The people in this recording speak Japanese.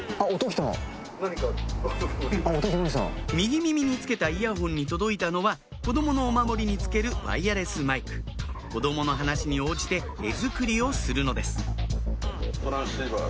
右耳に着けたイヤホンに届いたのは子供のおまもりに付けるワイヤレスマイク子供の話に応じて画作りをするのですトランシーバー。